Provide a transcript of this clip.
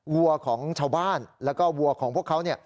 วัวของชาวบ้านแล้วก็วัวของพวกเขา